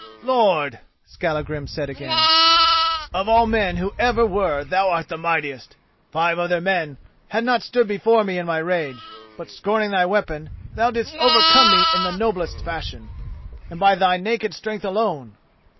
"Lord," Skallagrim said again, "of all men who ever were, thou art the mightiest. Five other men had not stood before me in my rage, but, scorning thy weapon, thou didst overcome me in the noblest fashion, and by thy naked strength alone.